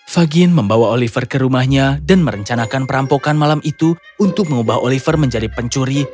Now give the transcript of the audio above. fagin membawa oliver ke rumahnya dan merencanakan perampokan malam itu untuk mengubah oliver menjadi pencuri